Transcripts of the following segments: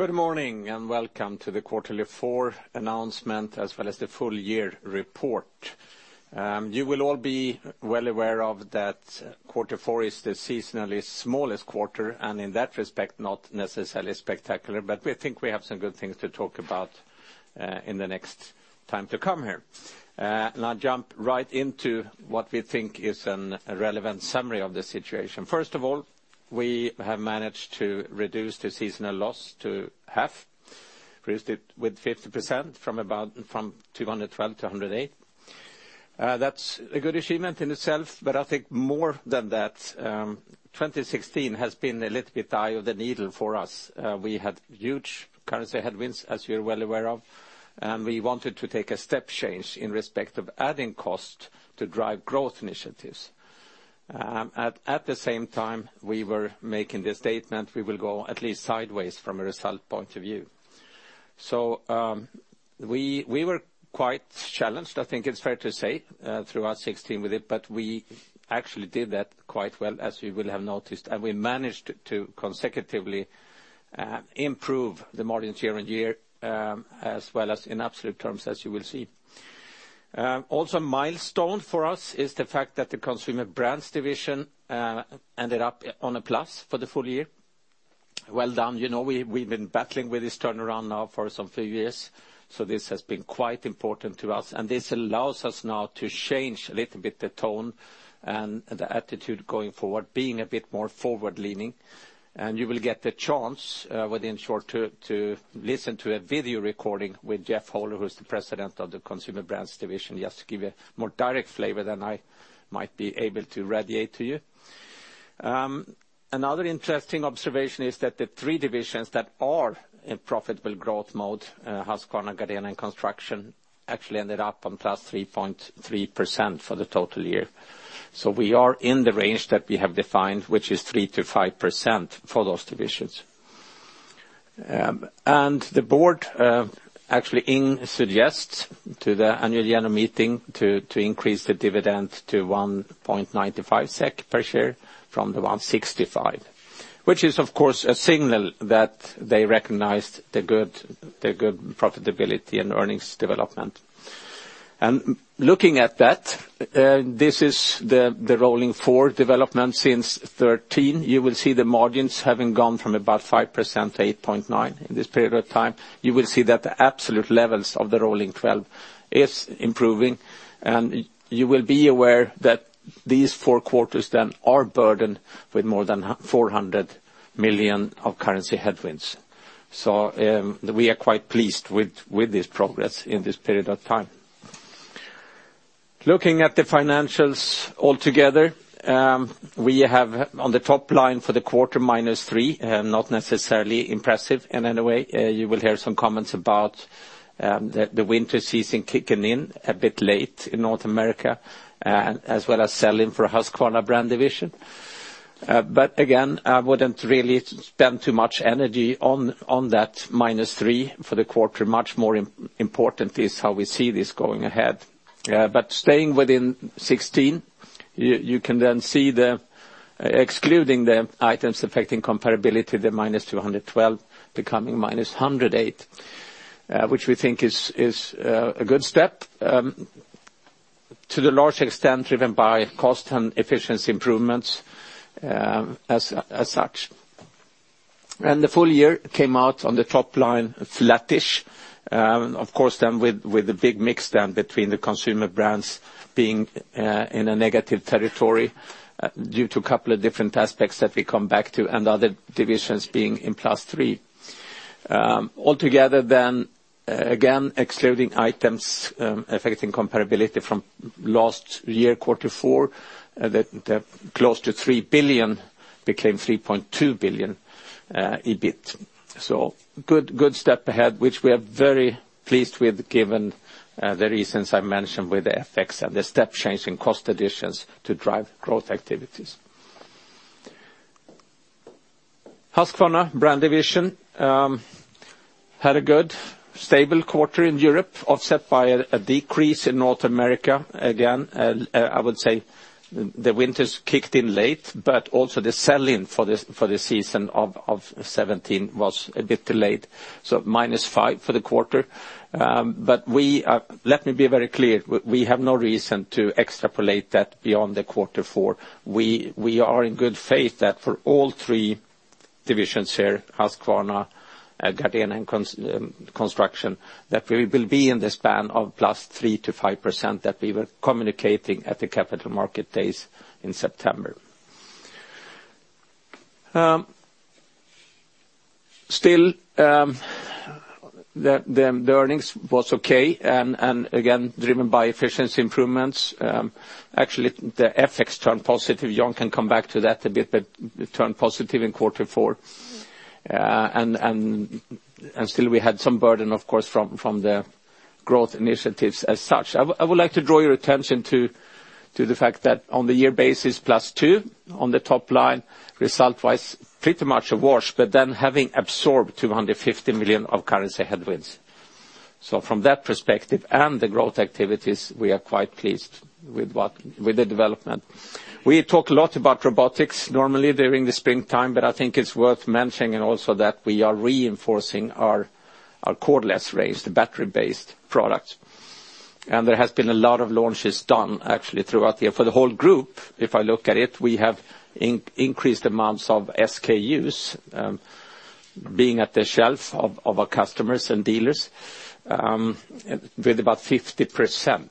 Good morning, and welcome to the quarter 4 announcement as well as the full year report. You will all be well aware that quarter 4 is the seasonally smallest quarter, and in that respect, not necessarily spectacular, but we think we have some good things to talk about in the next time to come here. I'll jump right into what we think is a relevant summary of the situation. First of all, we have managed to reduce the seasonal loss to half. Reduced it with 50% from 212 million to 108 million. That's a good achievement in itself, but I think more than that, 2016 has been a little bit eye of the needle for us. We had huge currency headwinds, as you're well aware of, and we wanted to take a step change in respect of adding cost to drive growth initiatives. At the same time, we were making the statement, we will go at least sideways from a result point of view. We were quite challenged, I think it's fair to say, throughout 2016 with it, but we actually did that quite well as you will have noticed, and we managed to consecutively improve the margins year-on-year, as well as in absolute terms, as you will see. Also a milestone for us is the fact that the Consumer Brands Division ended up on a plus for the full year. Well done. We've been battling with this turnaround now for some few years, so this has been quite important to us, and this allows us now to change a little bit the tone and the attitude going forward, being a bit more forward-leaning. You will get the chance within short to listen to a video recording with Jeff Hohler, who's the President of the Consumer Brands Division. He has to give a more direct flavor than I might be able to radiate to you. Another interesting observation is that the three divisions that are in profitable growth mode, Husqvarna, Gardena, and Construction, actually ended up on +3.3% for the total year. We are in the range that we have defined, which is 3%-5% for those divisions. The board actually suggests to the annual general meeting to increase the dividend to 1.95 SEK per share from 1.65, which is of course a signal that they recognized the good profitability and earnings development. Looking at that, this is the rolling four development since 2013. You will see the margins having gone from about 5%-8.9% in this period of time. You will see that the absolute levels of the rolling 12 is improving, and you will be aware that these four quarters then are burdened with more than 400 million of currency headwinds. So we are quite pleased with this progress in this period of time. Looking at the financials altogether, we have on the top line for the quarter -3%, not necessarily impressive in any way. You will hear some comments about the winter season kicking in a bit late in North America, as well as sell-in for Husqvarna Division. But again, I wouldn't really spend too much energy on that -3% for the quarter. Much more important is how we see this going ahead. Staying within 2016, you can then see, excluding the items affecting comparability, the -212 million becoming -108 million, which we think is a good step. To the large extent driven by cost and efficiency improvements as such. The full year came out on the top line flat-ish. Of course then with the big mix then between the Consumer Brands being in a negative territory due to a couple of different aspects that we come back to, and other divisions being in +3%. Altogether, again, excluding items affecting comparability from last year, Q4, the close to 3 billion became 3.2 billion EBIT. Good step ahead, which we are very pleased with given the reasons I mentioned with the FX and the step change in cost additions to drive growth activities. Husqvarna Division had a good stable quarter in Europe, offset by a decrease in North America. Again, I would say the winters kicked in late, but also the sell-in for the season of 2017 was a bit delayed, so -5% for the quarter. Let me be very clear. We have no reason to extrapolate that beyond the Q4. We are in good faith that for all three divisions here, Husqvarna, Gardena, and Husqvarna Construction, that we will be in the span of +3%-5% that we were communicating at the Capital Markets Day in September. Still, the earnings was okay and again, driven by efficiency improvements. Actually, the FX turned positive. Jan can come back to that a bit, but it turned positive in Q4. Still we had some burden, of course, from the growth initiatives as such. I would like to draw your attention to the fact that on the year basis, +2% on the top line, result-wise, pretty much a wash, but then having absorbed 250 million of currency headwinds. From that perspective and the growth activities, we are quite pleased with the development. We talk a lot about robotics, normally during the springtime, but I think it's worth mentioning also that we are reinforcing our cordless range, the battery-based product. There has been a lot of launches done actually throughout the year. For the whole group, if I look at it, we have increased amounts of SKUs being at the shelf of our customers and dealers with about 50%.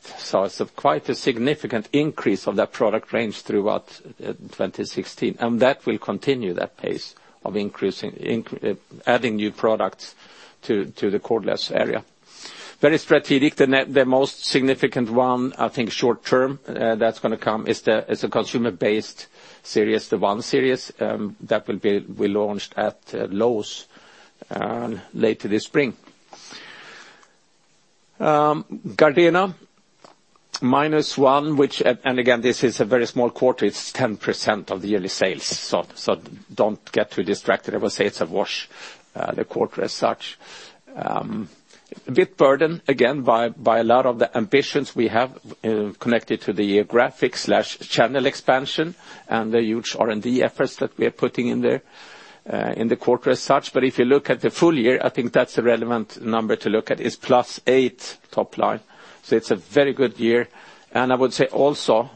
It's quite a significant increase of that product range throughout 2016. That will continue that pace of adding new products to the cordless area. Very strategic. The most significant one, I think short term that's going to come is a consumer-based series, the 100 Series, that will be launched at Lowe's later this spring. Gardena, -1%, and again, this is a very small quarter, it's 10% of the yearly sales, don't get too distracted. I would say it's a wash the quarter as such. A bit burdened again by a lot of the ambitions we have connected to the geographic/channel expansion and the huge R&D efforts that we are putting in there in the quarter as such. If you look at the full year, I think that's a relevant number to look at, is +8% top line. It's a very good year. I would say also,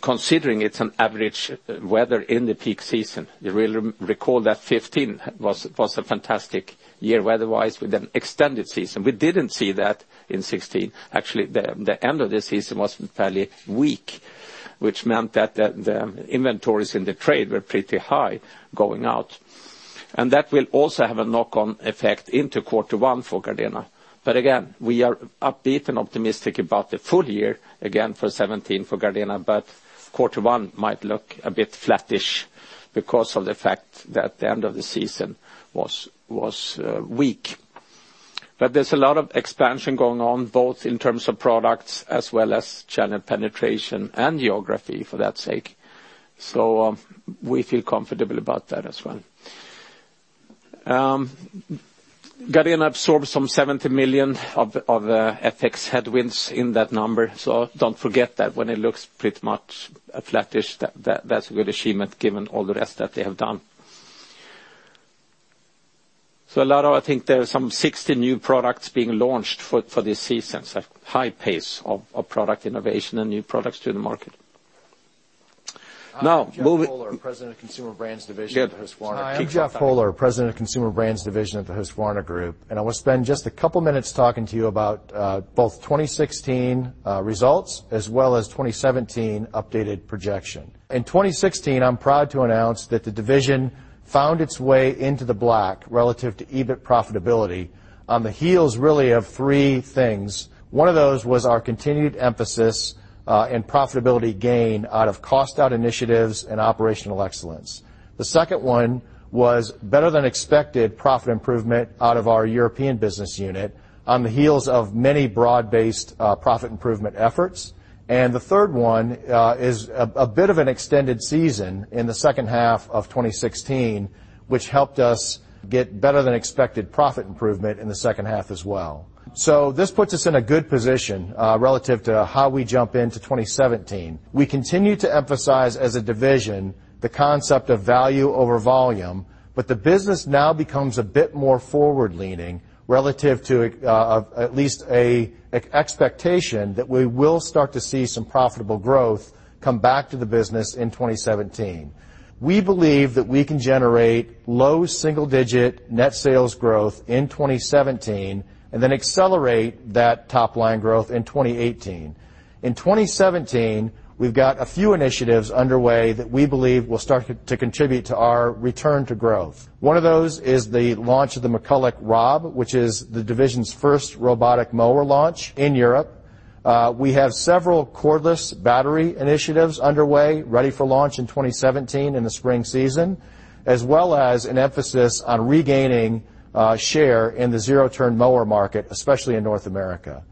considering it's an average weather in the peak season, you will recall that 2015 was a fantastic year weather-wise with an extended season. We didn't see that in 2016. Actually, the end of the season was fairly weak, which meant that the inventories in the trade were pretty high going out. That will also have a knock-on effect into quarter one for Gardena. Again, we are upbeat and optimistic about the full year, again, for 2017 for Gardena, but quarter one might look a bit flattish because of the fact that the end of the season was weak. There's a lot of expansion going on, both in terms of products as well as channel penetration and geography, for that sake. We feel comfortable about that as well. Gardena absorbed some 70 million of FX headwinds in that number. Don't forget that when it looks pretty much flattish, that's a good achievement given all the rest that they have done. A lot of, I think there are some 60 new products being launched for this season, so high pace of product innovation and new products to the market. I'm Jeff Hohler, President of Consumer Brands Division at Husqvarna. Yeah, kick off. I'm Jeff Hohler, President of Consumer Brands Division of the Husqvarna Group, I will spend just a couple minutes talking to you about both 2016 results as well as 2017 updated projection. In 2016, I'm proud to announce that the division found its way into the black relative to EBIT profitability on the heels really of three things. One of those was our continued emphasis in profitability gain out of cost out initiatives and operational excellence. The second one was better than expected profit improvement out of our European business unit on the heels of many broad-based profit improvement efforts. The third one is a bit of an extended season in the second half of 2016, which helped us get better than expected profit improvement in the second half as well. This puts us in a good position relative to how we jump into 2017. We continue to emphasize as a division the concept of value over volume, the business now becomes a bit more forward-leaning relative to at least an expectation that we will start to see some profitable growth come back to the business in 2017. We believe that we can generate low single-digit net sales growth in 2017 and then accelerate that top-line growth in 2018. In 2017, we've got a few initiatives underway ready for launch that we believe will start to contribute to our return to growth. One of those is the launch of the McCulloch ROB, which is the division's first robotic mower launch in Europe. We have several cordless battery initiatives underway ready for launch in 2017 in the spring season, as well as an emphasis on regaining share in the zero-turn mower market, especially in North America.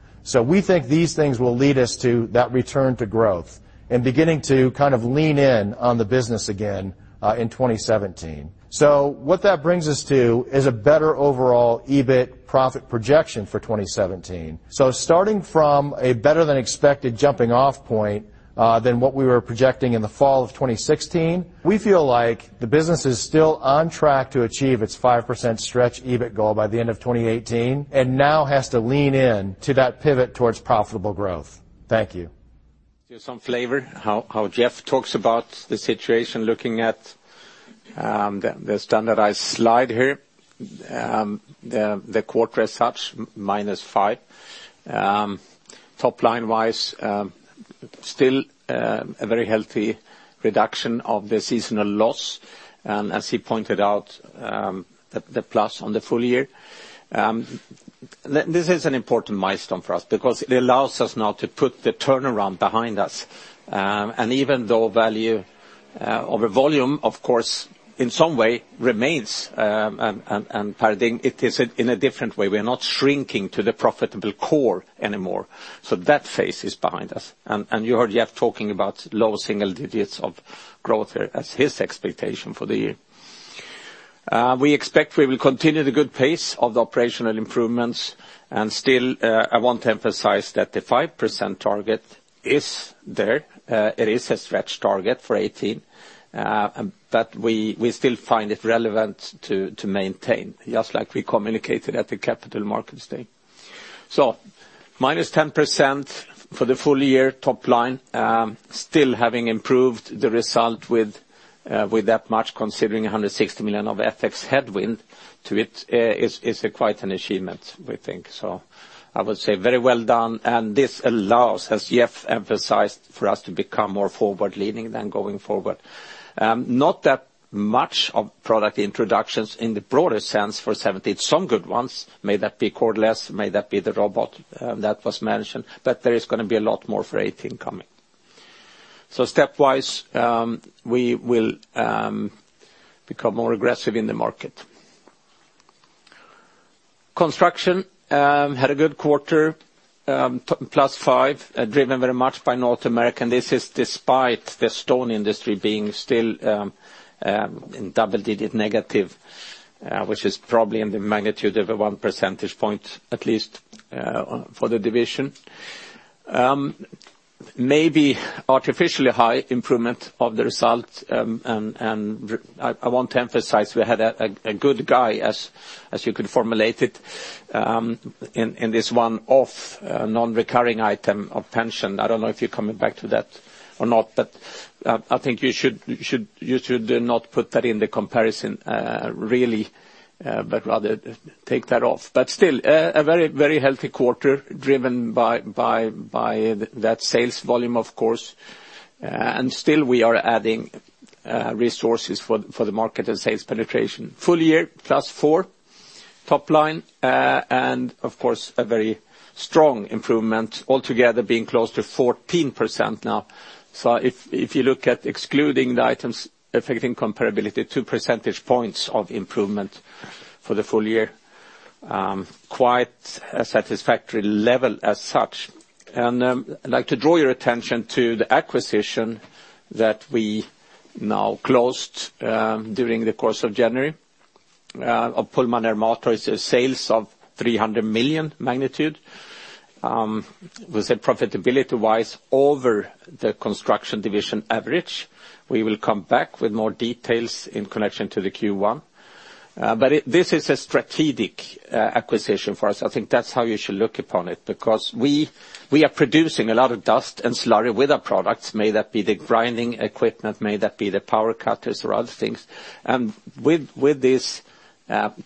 We think these things will lead us to that return to growth and beginning to kind of lean in on the business again in 2017. What that brings us to is a better overall EBIT profit projection for 2017. Starting from a better than expected jumping off point than what we were projecting in the fall of 2016, we feel like the business is still on track to achieve its 5% stretch EBIT goal by the end of 2018 and now has to lean in to that pivot towards profitable growth. Thank you. Give some flavor how Jeff talks about the situation looking at the standardized slide here. The quarter as such, minus five. Top line-wise, still a very healthy reduction of the seasonal loss, as he pointed out, the plus on the full year. This is an important milestone for us because it allows us now to put the turnaround behind us. Even though value over volume, of course, in some way remains a paradigm, it is in a different way. We are not shrinking to the profitable core anymore. That phase is behind us. You heard Jeff talking about low single digits of growth as his expectation for the year. We expect we will continue the good pace of the operational improvements, still, I want to emphasize that the 5% target is there. It is a stretch target for 2018, but we still find it relevant to maintain, just like we communicated at the Capital Markets Day. -10% for the full year top line, still having improved the result with that much, considering 160 million of FX headwind to it is quite an achievement, we think. I would say very well done, and this allows, as Jeff emphasized, for us to become more forward-leaning then going forward. Not that much of product introductions in the broader sense for 2017. Some good ones, may that be cordless, may that be the robot that was mentioned, but there is going to be a lot more for 2018 coming. Stepwise, we will become more aggressive in the market. Husqvarna Construction had a good quarter, +5%, driven very much by North America. This is despite the stone industry being still in double-digit negative, which is probably in the magnitude of a 1 percentage point at least for the division. Maybe artificially high improvement of the result, and I want to emphasize we had a good guy, as you could formulate it, in this one-off non-recurring item of pension. I don't know if you're coming back to that or not, but I think you should not put that in the comparison, really, but rather take that off. Still, a very healthy quarter driven by that sales volume, of course, and still we are adding resources for the market and sales penetration. Full year, +4% top line, and of course, a very strong improvement altogether, being close to 14% now. If you look at excluding the items affecting comparability, 2 percentage points of improvement for the full year. Quite a satisfactory level as such. I'd like to draw your attention to the acquisition that we now closed during the course of January, of Pullman Ermator. It's a sales of 300 million magnitude. With their profitability-wise over the Husqvarna Construction average. We will come back with more details in connection to the Q1. This is a strategic acquisition for us. I think that's how you should look upon it, because we are producing a lot of dust and slurry with our products, may that be the grinding equipment, may that be the power cutters or other things. With this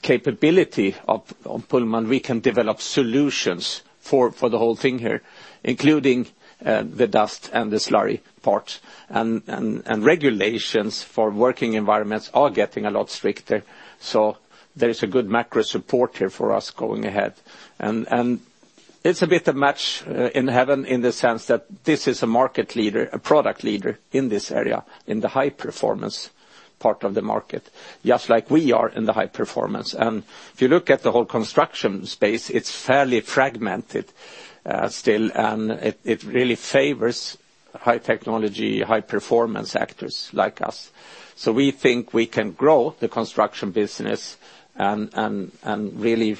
capability of Pullman, we can develop solutions for the whole thing here, including the dust and the slurry part. Regulations for working environments are getting a lot stricter. There is a good macro support here for us going ahead. It's a bit of match in heaven in the sense that this is a market leader, a product leader in this area, in the high-performance part of the market, just like we are in the high performance. If you look at the whole Husqvarna Construction space, it's fairly fragmented still, and it really favors high-technology, high-performance actors like us. We think we can grow the Husqvarna Construction business and really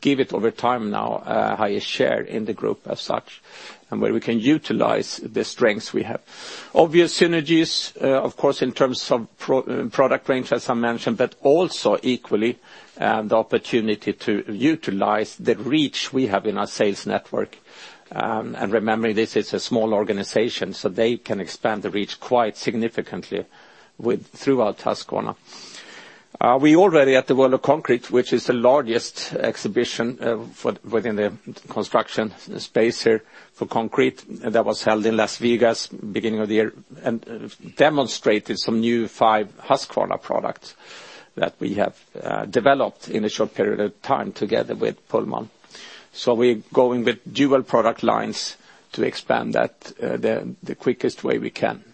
give it over time now a higher share in the Husqvarna Group as such, and where we can utilize the strengths we have. Obvious synergies, of course, in terms of product range, as I mentioned, but also equally the opportunity to utilize the reach we have in our sales network. Remembering this is a small organization, so they can expand the reach quite significantly through our task ownership. We are already at the World of Concrete, which is the largest exhibition within the construction space here for concrete, that was held in Las Vegas beginning of the year, and demonstrated some new five Husqvarna products that we have developed in a short period of time together with Pullman. We are going with dual product lines to expand that the quickest way we can.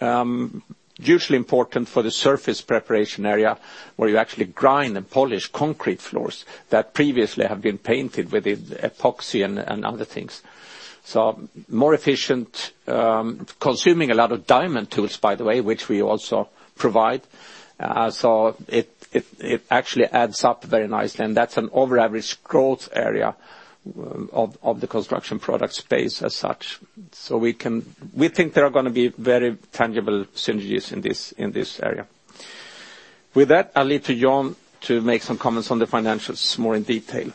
It is usually important for the surface preparation area, where you actually grind and polish concrete floors that previously have been painted with epoxy and other things. More efficient, consuming a lot of diamond tools, by the way, which we also provide. It actually adds up very nicely, and that's an over average growth area of the construction product space as such. We think there are going to be very tangible synergies in this area. With that, I will leave to Jan to make some comments on the financials more in detail.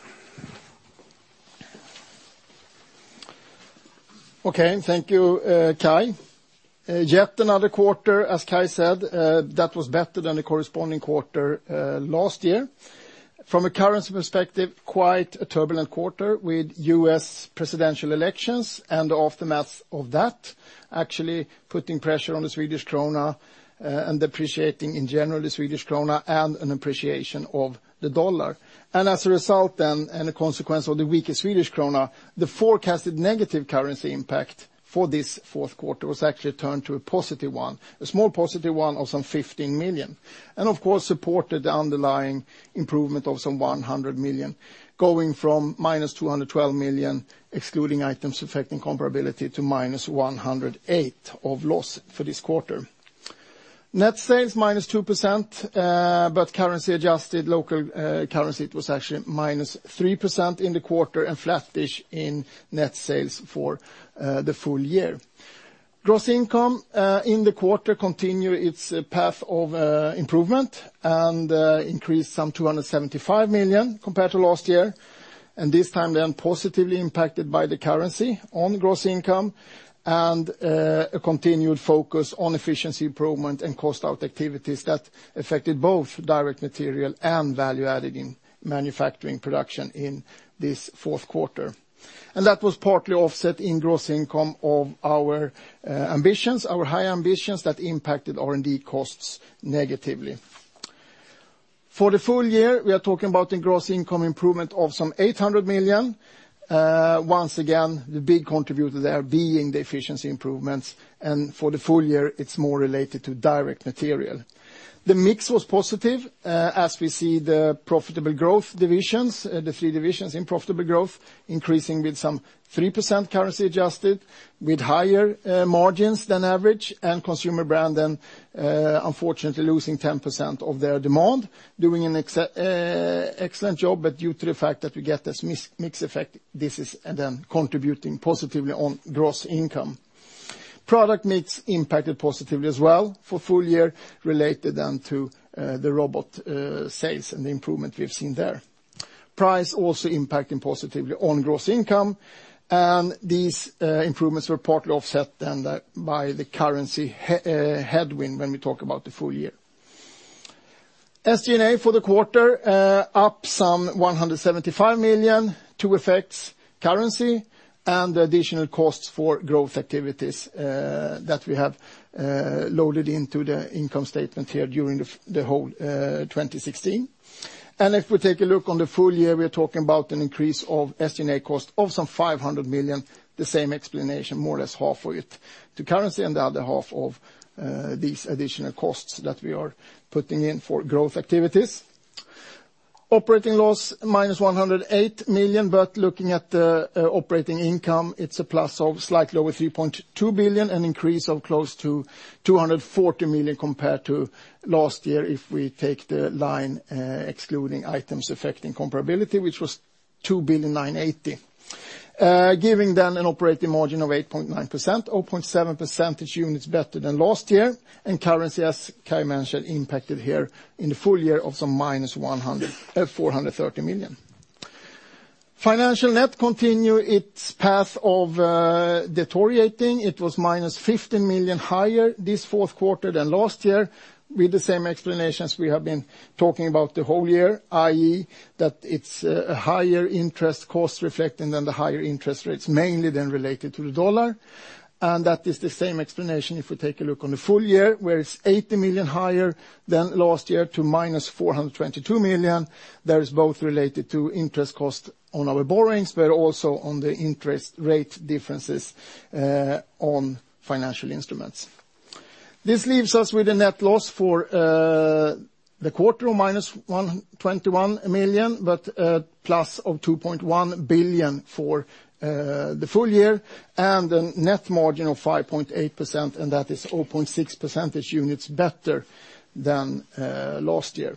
Thank you, Kai. Yet another quarter, as Kai said, that was better than the corresponding quarter last year. From a currency perspective, quite a turbulent quarter with U.S. presidential elections and the aftermath of that actually putting pressure on the Swedish krona and depreciating in general the Swedish krona and an appreciation of the dollar. As a result then, and a consequence of the weaker Swedish krona, the forecasted negative currency impact for this fourth quarter was actually turned to a positive one, a small positive one of some 15 million. Of course, supported the underlying improvement of some 100 million, going from minus 212 million, excluding items affecting comparability, to minus 108 million of loss for this quarter. Net sales, -2%, but currency adjusted, local currency, it was actually -3% in the quarter and flat-ish in net sales for the full year. Gross income in the quarter continued its path of improvement, increased some 275 million compared to last year. This time, then positively impacted by the currency on gross income, and a continued focus on efficiency improvement and cost out activities that affected both direct material and value added in manufacturing production in this fourth quarter. That was partly offset in gross income of our ambitions, our high ambitions that impacted R&D costs negatively. For the full year, we are talking about a gross income improvement of some 800 million. Once again, the big contributor there being the efficiency improvements, and for the full year, it's more related to direct material. The mix was positive, as we see the profitable growth divisions, the three divisions in profitable growth, increasing with some 3% currency adjusted, with higher margins than average. Consumer Brands unfortunately losing 10% of their demand, doing an excellent job, due to the fact that we get this mix effect, this is contributing positively on gross income. Product mix impacted positively as well for full year, related to the robotic mower sales and the improvement we've seen there. Price also impacting positively on gross income, these improvements were partly offset by the currency headwind when we talk about the full year. SG&A for the quarter, up some 175 million due to FX currency and additional costs for growth activities that we have loaded into the income statement here during the whole 2016. If we take a look on the full year, we're talking about an increase of SG&A cost of some 500 million, the same explanation, more or less half of it to FX and the other half of these additional costs that we are putting in for growth activities. Operating loss minus 108 million, looking at the operating income, it's a plus of slightly over 3.2 billion, an increase of close to 240 million compared to last year if we take the line excluding items affecting comparability, which was 2,980 million. Giving an operating margin of 8.9%, 0.7 percentage units better than last year, currency, as Kai mentioned, impacted here in the full year of some minus 430 million. Financial net continue its path of deteriorating. It was minus 15 million higher this fourth quarter than last year with the same explanations we have been talking about the whole year, i.e., that it's a higher interest cost reflecting the higher interest rates, mainly related to the USD. That is the same explanation if we take a look on the full year, where it's 80 million higher than last year to minus 422 million. That is both related to interest cost on our borrowings, also on the interest rate differences on financial instruments. This leaves us with a net loss for the quarter of minus 121 million, a plus of 2.1 billion for the full year, a net margin of 5.8%, that is 0.6 percentage units better than last year.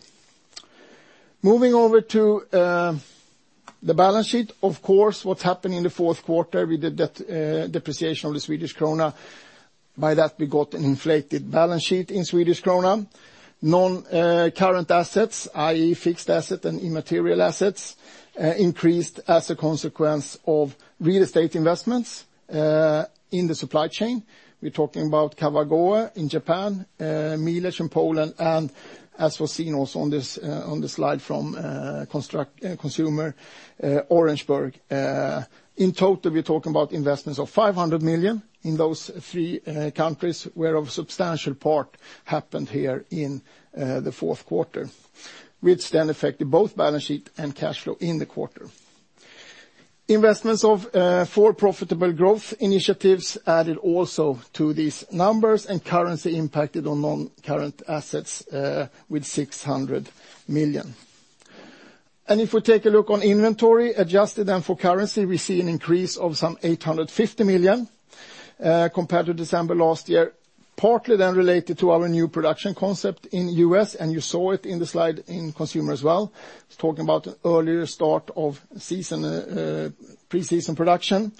Moving over to the balance sheet, of course, what happened in the fourth quarter, we did that depreciation of the SEK. By that, we got an inflated balance sheet in SEK. Non-current assets, i.e. fixed asset and immaterial assets, increased as a consequence of real estate investments in the supply chain. We're talking about Kawagoe in Japan, Mielec in Poland, as was seen also on the slide from Consumer, Orangeburg. In total, we're talking about investments of 500 million in those three countries, whereof a substantial part happened here in the fourth quarter, which affected both balance sheet and cash flow in the quarter. Investments of four profitable growth initiatives added also to these numbers, currency impacted on non-current assets with 600 million. If we take a look on inventory, adjusted for currency, we see an increase of some 850 million compared to December last year, partly related to our new production concept in the U.S., you saw it in the slide in Consumer as well. I was talking about earlier start of pre-season production.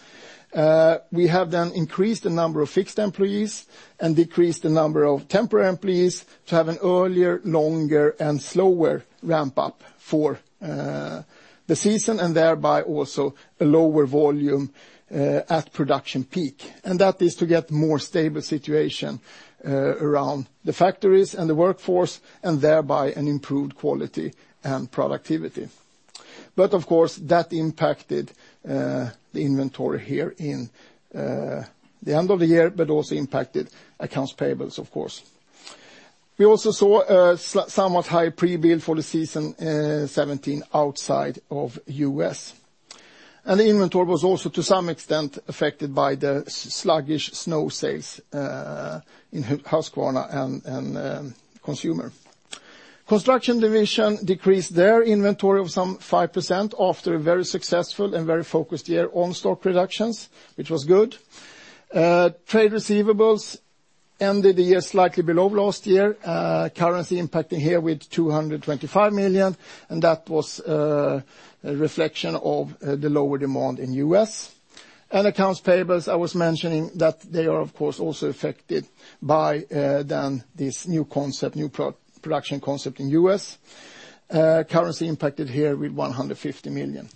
We have increased the number of fixed employees and decreased the number of temporary employees to have an earlier, longer, and slower ramp-up for the season, and thereby also a lower volume at production peak. That is to get more stable situation around the factories and the workforce, and thereby an improved quality and productivity. Of course, that impacted the inventory here in the end of the year, but also impacted accounts payables, of course. We also saw a somewhat high pre-bill for the season 2017 outside of the U.S. The inventory was also to some extent affected by the sluggish snow sales in Husqvarna and Consumer. Construction Division decreased their inventory of some 5% after a very successful and very focused year on stock reductions, which was good. Trade receivables ended the year slightly below last year, currency impacting here with 225 million, that was a reflection of the lower demand in the U.S. Accounts payables, I was mentioning that they are, of course, also affected by this new production concept in the U.S. Currency impacted here with 150 million.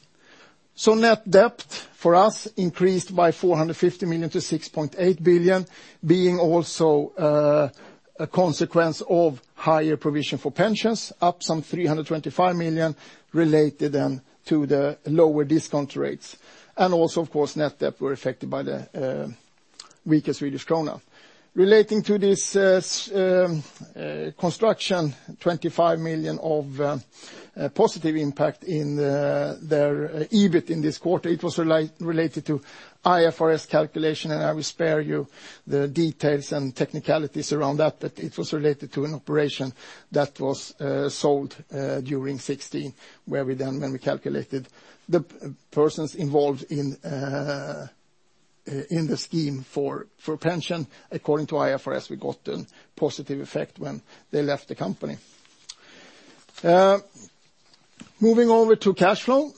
Net debt for us increased by 450 million to 6.8 billion, being also a consequence of higher provision for pensions, up some 325 million related to the lower discount rates. Also, of course, net debt were affected by the weakest Swedish krona. Relating to this construction, 25 million of positive impact in their EBIT in this quarter. It was related to IFRS calculation, I will spare you the details and technicalities around that, but it was related to an operation that was sold during 2016, where we, when we calculated the persons involved in the scheme for pension, according to IFRS, we got a positive effect when they left the company. Moving over to cash flow.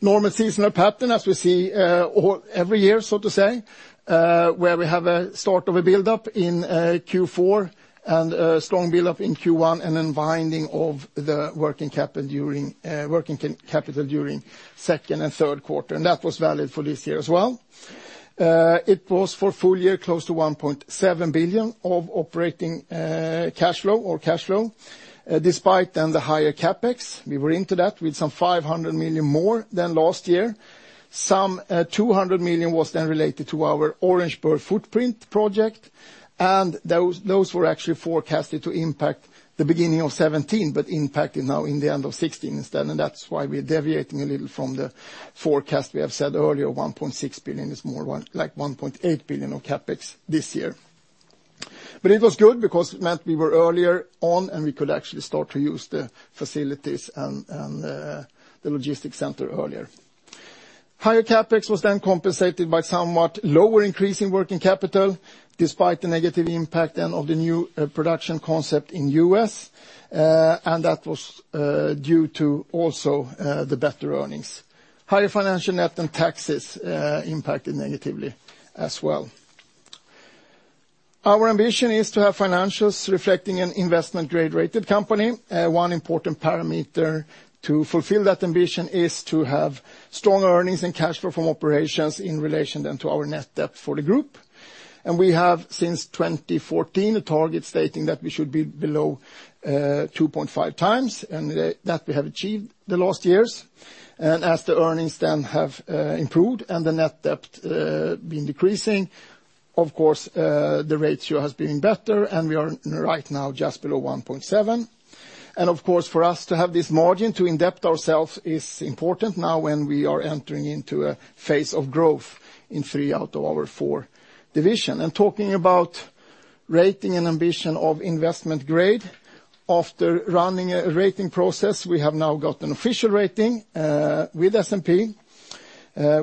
Normal seasonal pattern as we see every year, so to say, where we have a start of a build-up in Q4 and a strong build-up in Q1, winding of the working capital during second and third quarter, that was valid for this year as well. It was for full year, close to 1.7 billion of operating cash flow or cash flow. Despite the higher CapEx, we were into that with some 500 million more than last year. Some 200 million was related to our Orangeburg footprint project, those were actually forecasted to impact the beginning of 2017, but impacted now in the end of 2016 instead. That's why we're deviating a little from the forecast we have said earlier, 1.6 billion is more one, like 1.8 billion of CapEx this year. It was good because it meant we were earlier on, and we could actually start to use the facilities and the logistics center earlier. Higher CapEx was compensated by somewhat lower increase in working capital, despite the negative impact of the new production concept in the U.S., that was due to also the better earnings. Higher financial net and taxes impacted negatively as well. Our ambition is to have financials reflecting an investment grade-rated company. One important parameter to fulfill that ambition is to have strong earnings and cash flow from operations in relation then to our net debt for the group. We have, since 2014, a target stating that we should be below 2.5 times, and that we have achieved the last years. As the earnings then have improved and the net debt been decreasing, of course, the ratio has been better, and we are right now just below 1.7. Of course, for us to have this margin to indebt ourselves is important now when we are entering into a phase of growth in three out of our four division. Talking about rating and ambition of investment grade, after running a rating process, we have now got an official rating with S&P,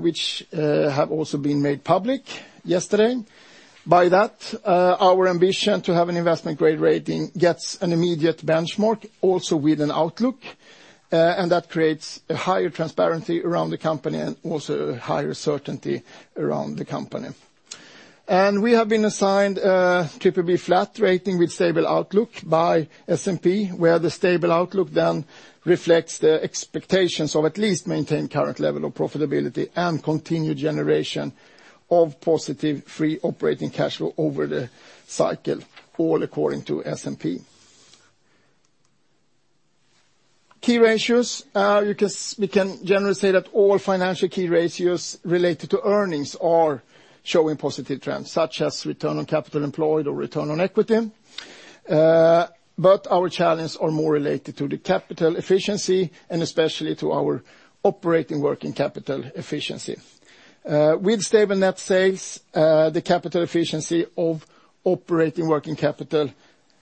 which have also been made public yesterday. By that, our ambition to have an investment grade rating gets an immediate benchmark also with an outlook, that creates a higher transparency around the company and also a higher certainty around the company. We have been assigned a BBB- rating with stable outlook by S&P, where the stable outlook then reflects the expectations of at least maintain current level of profitability and continued generation of positive free operating cash flow over the cycle, all according to S&P. Key ratios. We can generally say that all financial key ratios related to earnings are showing positive trends, such as return on capital employed or return on equity. Our challenges are more related to the capital efficiency and especially to our operating working capital efficiency. With stable net sales, the capital efficiency of operating working capital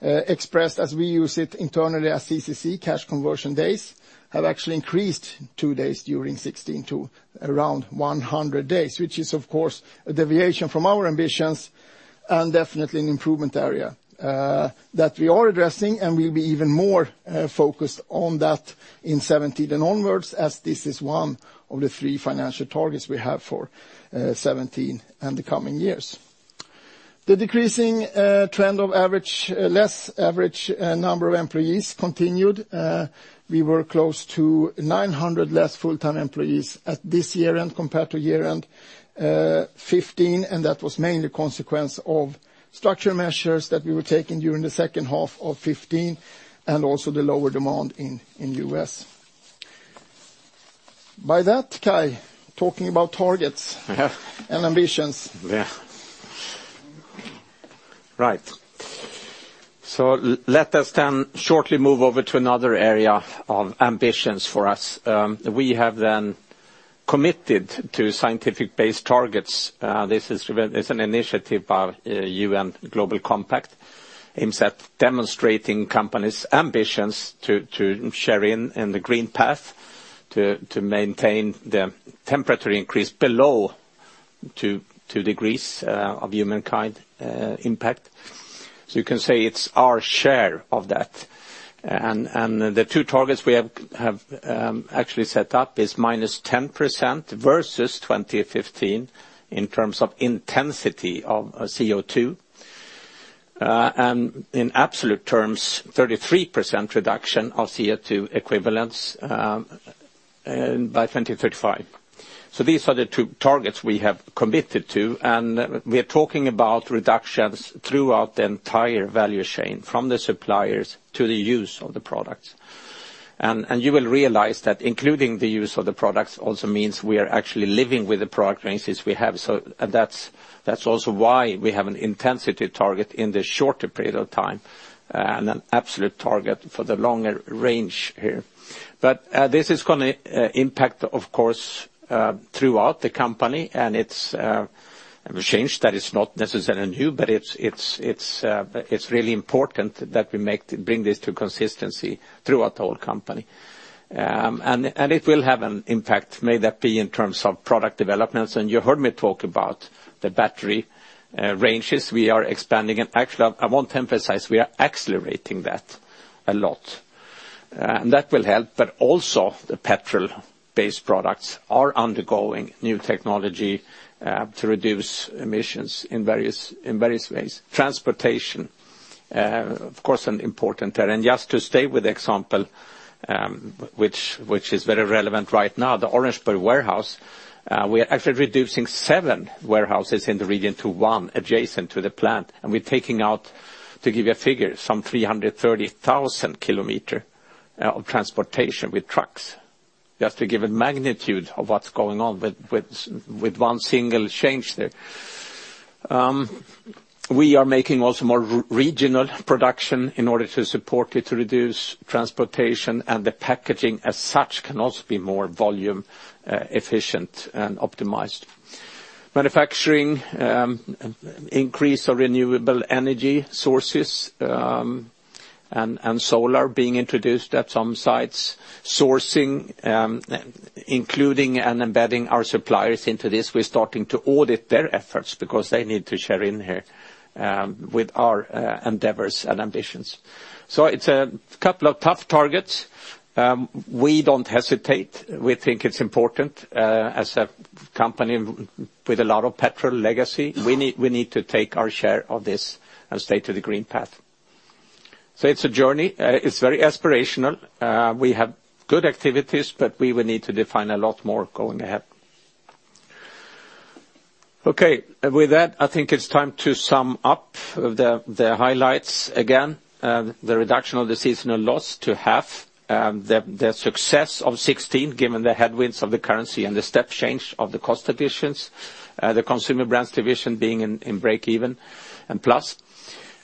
expressed as we use it internally as CCC, cash conversion days, have actually increased two days during 2016 to around 100 days, which is of course a deviation from our ambitions and definitely an improvement area that we are addressing and we'll be even more focused on that in 2017 and onwards as this is one of the three financial targets we have for 2017 and the coming years. The decreasing trend of less average number of employees continued. We were close to 900 less full-time employees at this year-end compared to year-end 2015, and that was mainly a consequence of structure measures that we were taking during the second half of 2015, and also the lower demand in U.S. By that, Kai, talking about targets and ambitions. Let us shortly move over to another area of ambitions for us. We have committed to scientific-based targets. This is an initiative of United Nations Global Compact, aims at demonstrating companies' ambitions to share in the green path to maintain the temperature increase below 2 degrees of humankind impact. You can say it's our share of that. The 2 targets we have actually set up is -10% versus 2015 in terms of intensity of CO2. In absolute terms, 33% reduction of CO2 equivalents by 2035. These are the 2 targets we have committed to, and we are talking about reductions throughout the entire value chain, from the suppliers to the use of the products. You will realize that including the use of the products also means we are actually living with the product ranges we have. That's also why we have an intensity target in the shorter period of time and an absolute target for the longer range here. This is going to impact, of course, throughout the company, and it's a change that is not necessarily new, but it's really important that we bring this to consistency throughout the whole company. It will have an impact, may that be in terms of product developments. You heard me talk about the battery ranges we are expanding. Actually, I want to emphasize, we are accelerating that a lot. That will help, but also the petrol-based products are undergoing new technology to reduce emissions in various ways. Transportation, of course, an important area. Just to stay with the example which is very relevant right now, the Orangeburg warehouse, we are actually reducing 7 warehouses in the region to 1 adjacent to the plant. We're taking out, to give you a figure, some 330,000 kilometer of transportation with trucks. Just to give a magnitude of what's going on with 1 single change there. We are making also more regional production in order to support it to reduce transportation, and the packaging as such can also be more volume efficient and optimized. Manufacturing, increase of renewable energy sources, and solar being introduced at some sites. Sourcing, including and embedding our suppliers into this. We're starting to audit their efforts because they need to share in here with our endeavors and ambitions. It's a couple of tough targets. We don't hesitate. We think it's important, as a company with a lot of petrol legacy, we need to take our share of this and stay to the green path. It's a journey. It's very aspirational. We have good activities, but we will need to define a lot more going ahead. With that, I think it's time to sum up the highlights again. The reduction of the seasonal loss to half. The success of 2016, given the headwinds of the currency and the step change of the cost divisions. The Consumer Brands Division being in break even and plus.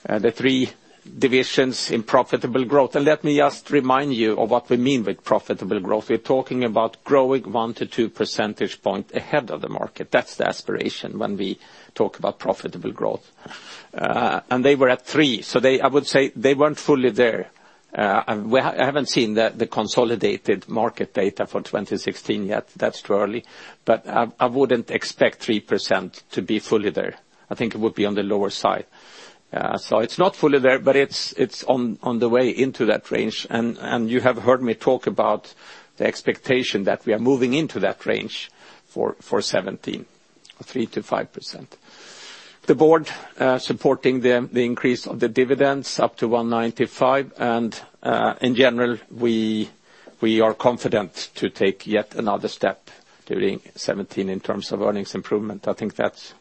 The 3 divisions in profitable growth. Let me just remind you of what we mean with profitable growth. We're talking about growing 1 to 2 percentage point ahead of the market. That's the aspiration when we talk about profitable growth. They were at 3. I would say they weren't fully there. I haven't seen the consolidated market data for 2016 yet. That's too early. I wouldn't expect 3% to be fully there. I think it would be on the lower side. It's not fully there, but it's on the way into that range. You have heard me talk about the expectation that we are moving into that range for 2017, 3%-5%. The board supporting the increase of the dividends up to 195. In general, we are confident to take yet another step during 2017 in terms of earnings improvement. I think that's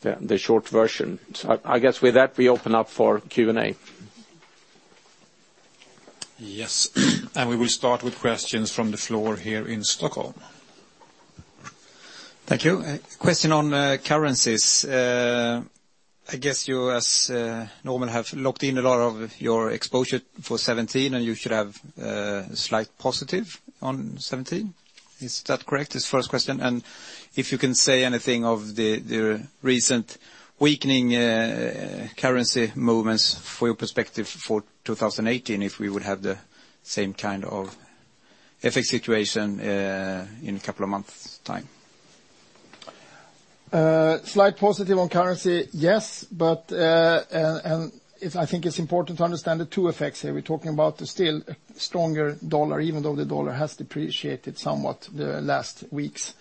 the short version. I guess with that, we open up for Q&A. Yes. We will start with questions from the floor here in Stockholm. Thank you. Question on currencies. I guess you, as normal, have locked in a lot of your exposure for 2017. You should have a slight positive on 2017. Is that correct? Is the first question. If you can say anything of the recent weakening currency movements for your perspective for 2018, if we would have the same kind of FX situation in a couple of months' time. Slight positive on currency, yes. I think it's important to understand the 2 effects here. We're talking about still a stronger dollar, even though the dollar has depreciated somewhat the last weeks.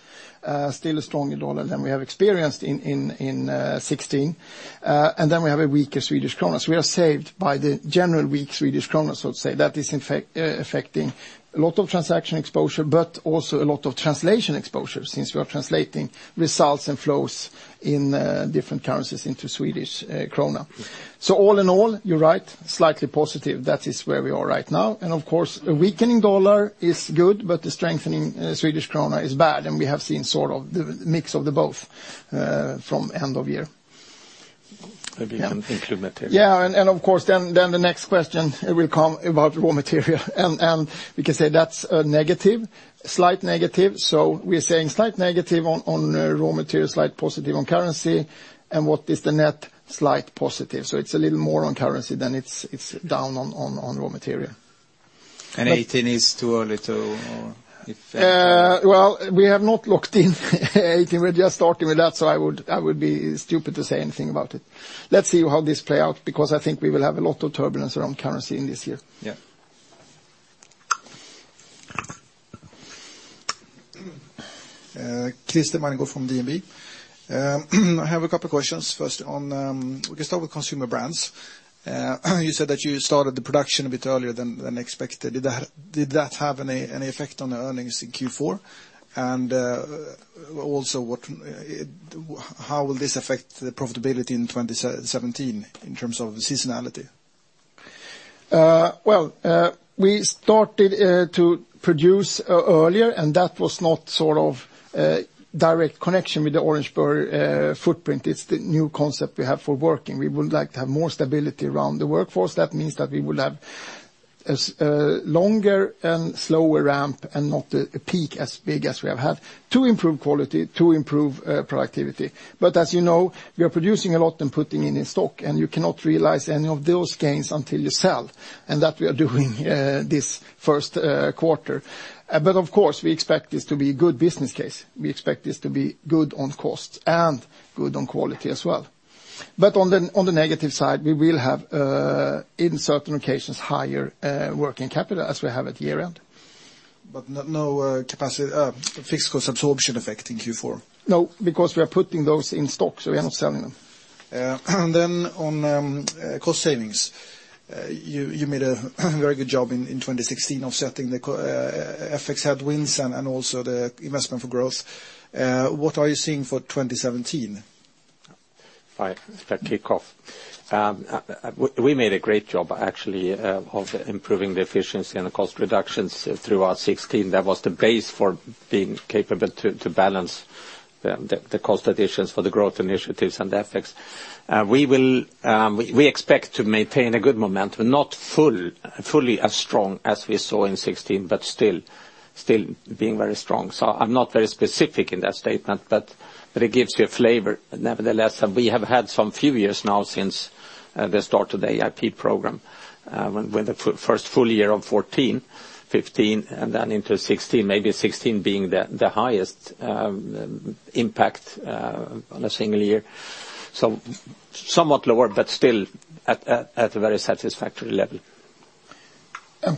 Still a stronger dollar than we have experienced in 2016. We have a weaker Swedish krona. We are saved by the general weak Swedish krona, so to say. That is affecting a lot of transaction exposure, but also a lot of translation exposure, since we are translating results and flows in different currencies into Swedish krona. All in all, you're right, slightly positive. That is where we are right now. Of course, a weakening dollar is good, but the strengthening Swedish krona is bad. We have seen sort of the mix of the both from end of year. Maybe you can include material. Yeah, of course the next question will come about raw material and we can say that's a negative, slight negative. We're saying slight negative on raw materials, slight positive on currency, what is the net? Slight positive. It's a little more on currency than it's down on raw material. 2018 is too early to or if- Well, we have not locked in 2018. We're just starting with that, I would be stupid to say anything about it. Let's see how this play out, because I think we will have a lot of turbulence around currency in this year. Yeah. Chris Domingo from DNB. I have a couple questions. First, we can start with Consumer Brands. You said that you started the production a bit earlier than expected. Did that have any effect on the earnings in Q4? How will this affect the profitability in 2017 in terms of seasonality? Well, we started to produce earlier, and that was not sort of a direct connection with the Orangeburg footprint. It's the new concept we have for working. We would like to have more stability around the workforce. That means that we will have a longer and slower ramp and not a peak as big as we have had to improve quality, to improve productivity. As you know, we are producing a lot and putting in stock, and you cannot realize any of those gains until you sell. That we are doing this first quarter. Of course, we expect this to be a good business case. We expect this to be good on costs and good on quality as well. On the negative side, we will have, in certain occasions, higher working capital as we have at year-end. No fixed cost absorption effect in Q4? No, because we are putting those in stock, so we are not selling them. Yeah. On cost savings. You made a very good job in 2016 offsetting the FX headwinds and also the investment for growth. What are you seeing for 2017? If I kick off. We made a great job, actually, of improving the efficiency and the cost reductions throughout 2016. That was the base for being capable to balance the cost additions for the growth initiatives and the effects. We expect to maintain a good momentum, not fully as strong as we saw in 2016, but still being very strong. I'm not very specific in that statement, but it gives you a flavor. Nevertheless, we have had some few years now since the start of the AIP program, with the first full year of 2014, 2015, and then into 2016, maybe 2016 being the highest impact on a single year. Somewhat lower, but still at a very satisfactory level.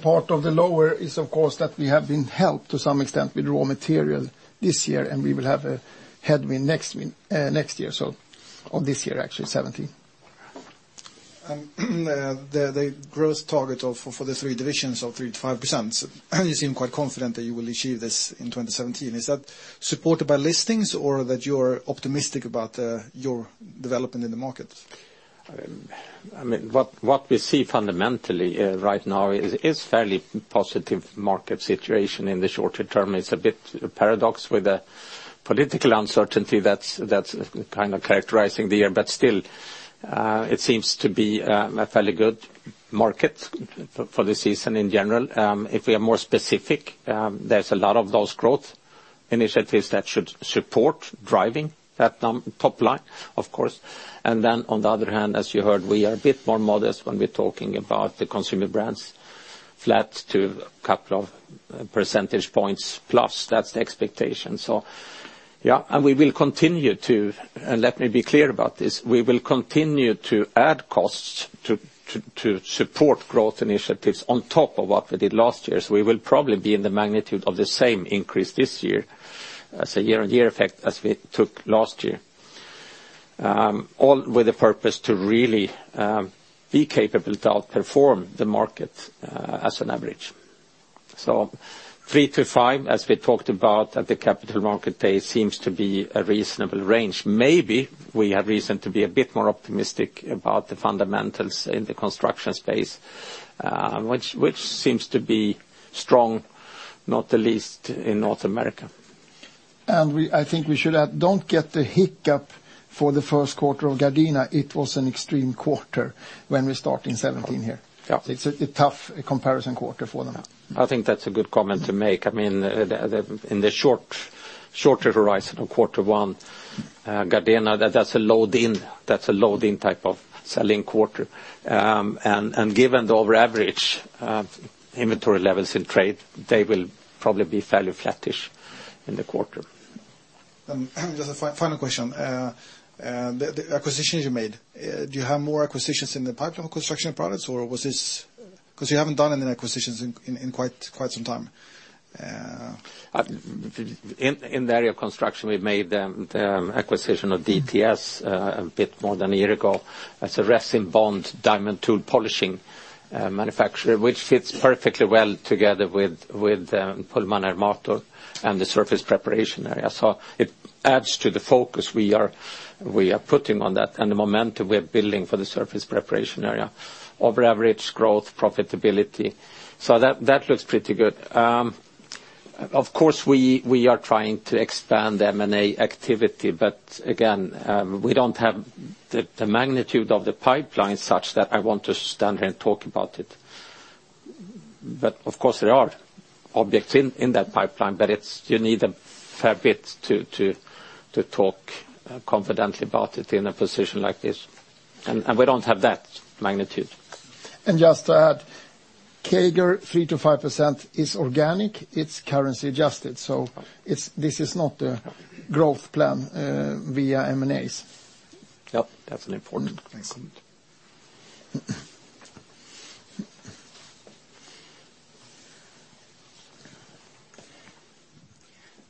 Part of the lower is, of course, that we have been helped to some extent with raw material this year, and we will have a headwind next year. On this year, actually, 2017. The growth target for the three divisions of 3%-5%. You seem quite confident that you will achieve this in 2017. Is that supported by listings or that you're optimistic about your development in the market? What we see fundamentally right now is fairly positive market situation in the shorter term. It's a bit paradox with the political uncertainty that's kind of characterizing the year. Still, it seems to be a fairly good market for the season in general. If we are more specific, there's a lot of those growth initiatives that should support driving that top line, of course. Then on the other hand, as you heard, we are a bit more modest when we're talking about the Consumer Brands. Flat to a couple of percentage points plus. That's the expectation. Yeah, we will continue to, let me be clear about this, we will continue to add costs to support growth initiatives on top of what we did last year. We will probably be in the magnitude of the same increase this year as a year-on-year effect as we took last year. All with the purpose to really be capable to outperform the market as an average. 3%-5%, as we talked about at the Capital Markets Day, seems to be a reasonable range. Maybe we have reason to be a bit more optimistic about the fundamentals in the construction space, which seems to be strong, not the least in North America. I think we should add, don't get the hiccup for the first quarter of Gardena. It was an extreme quarter when we start in 2017 here. Yeah. It's a tough comparison quarter for them. I think that's a good comment to make. In the shorter horizon of quarter one, Gardena, that's a load-in type of selling quarter. Given the above average inventory levels in trade, they will probably be fairly flattish in the quarter. Just a final question. The acquisitions you made, do you have more acquisitions in the pipeline of construction products? You haven't done any acquisitions in quite some time. In the area of construction, we made the acquisition of DTS a bit more than a year ago. It's a resin bond diamond tools polishing manufacturer, which fits perfectly well together with the Pullman Ermator and the surface preparation area. It adds to the focus we are putting on that, and the momentum we are building for the surface preparation area. Above average growth profitability. That looks pretty good. Of course, we are trying to expand the M&A activity, but again, we don't have the magnitude of the pipeline such that I want to stand here and talk about it. Of course, there are objects in that pipeline, but you need a fair bit to talk confidently about it in a position like this. We don't have that magnitude. Just to add, CAGR 3%-5% is organic, it's currency adjusted. This is not a growth plan via M&As. Yep, that's an important point. Excellent.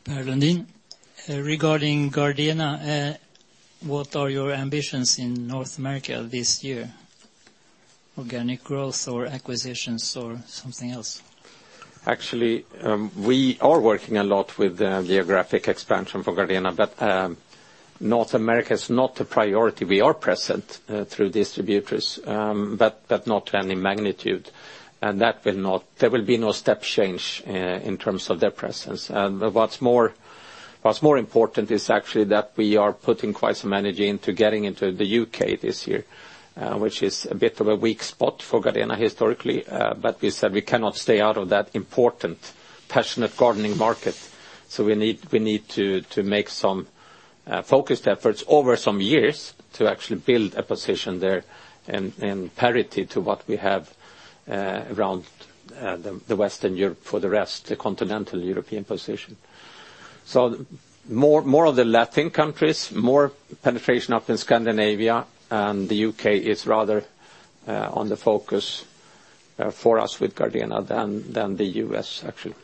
Per Lundin. Regarding Gardena, what are your ambitions in North America this year? Organic growth or acquisitions or something else? Actually, we are working a lot with the geographic expansion for Gardena, but North America is not a priority. We are present through distributors, but not to any magnitude. There will be no step change in terms of their presence. What's more important is actually that we are putting quite some energy into getting into the U.K. this year, which is a bit of a weak spot for Gardena historically. We said we cannot stay out of that important, passionate gardening market, so we need to make some focused efforts over some years to actually build a position there and parity to what we have around the Western Europe for the rest, the continental European position. More of the Latin countries, more penetration up in Scandinavia, and the U.K. is rather on the focus for us with Gardena than the U.S., actually.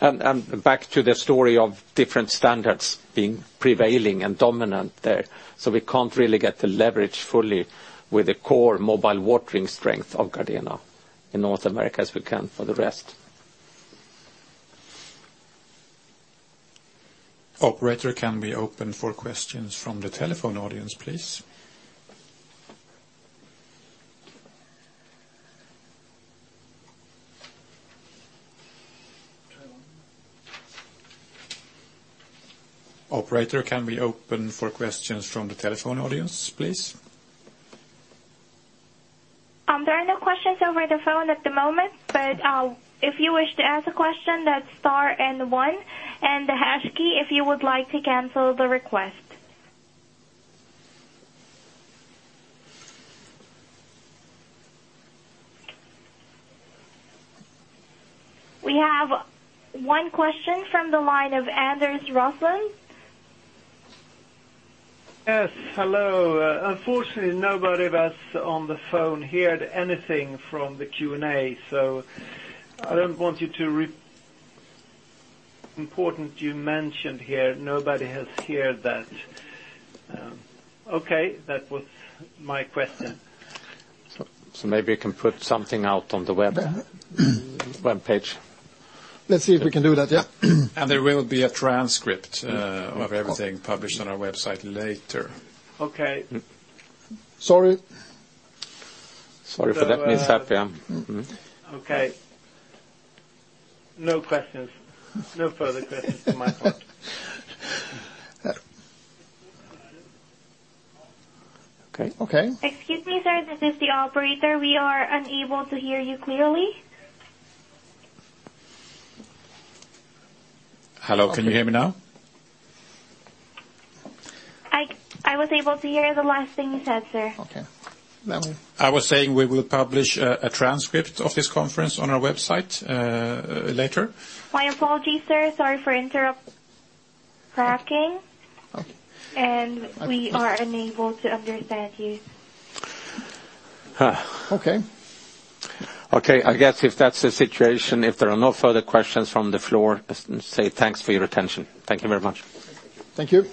Back to the story of different standards being prevailing and dominant there. We can't really get the leverage fully with the core mobile watering strength of Gardena in North America as we can for the rest. Operator, can we open for questions from the telephone audience, please? There are no questions over the phone at the moment. If you wish to ask a question, that is star and one, and the hash key if you would like to cancel the request. We have one question from the line of Anders Roslund. Yes. Hello. Unfortunately, nobody of us on the phone heard anything from the Q&A. I don't want you to important you mentioned here, nobody has heard that. Okay. That was my question. Maybe we can put something out on the webpage. Let's see if we can do that, yeah. There will be a transcript of everything published on our website later. Okay. Sorry. Sorry for that mishap, yeah. Okay. No questions. No further questions from my part. Okay. Excuse me, sir, this is the operator. We are unable to hear you clearly. Hello. Can you hear me now? I was able to hear the last thing you said, sir. Okay. Then we- I was saying we will publish a transcript of this conference on our website later. My apologies, sir. Sorry for cracking. Okay. We are unable to understand you. Okay. Okay, I guess if that's the situation, if there are no further questions from the floor, say thanks for your attention. Thank you very much. Thank you.